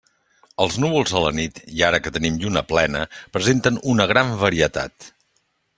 Els núvols a la nit, i ara que tenim lluna plena, presenten una gran varietat.